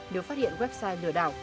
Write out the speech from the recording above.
nếu phát hiện website lừa đảo